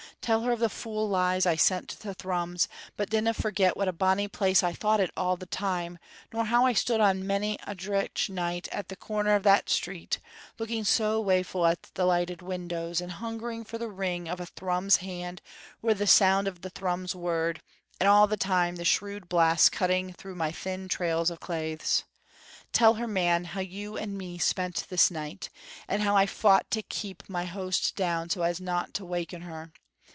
Tell her of the fool lies I sent to Thrums, but dinna forget what a bonny place I thought it all the time, nor how I stood on many a driech night at the corner of that street, looking so waeful at the lighted windows, and hungering for the wring of a Thrums hand or the sound of the Thrums word, and all the time the shrewd blasts cutting through my thin trails of claithes. Tell her, man, how you and me spent this night, and how I fought to keep my hoast down so as no' to waken her.